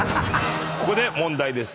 ここで問題です。